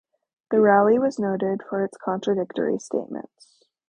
The rally was noted for its contradictory statements.